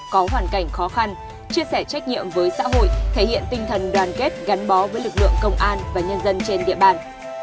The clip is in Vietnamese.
có hoàn cảnh khó khăn chia sẻ trách nhiệm với xã hội thể hiện tinh thần đoàn kết gắn bó với lực lượng công an và nhân dân trên địa bàn